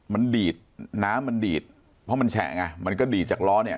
มันดีดน้ำมันดีดเพราะมันแฉะไงมันก็ดีดจากล้อเนี่ย